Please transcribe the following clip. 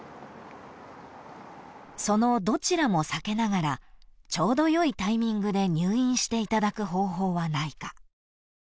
［そのどちらも避けながらちょうどよいタイミングで入院していただく方法はないか？］